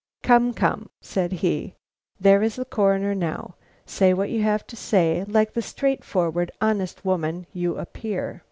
"Come, come," said he, "there is the Coroner now. Say what you have to say, like the straightforward, honest woman you appear."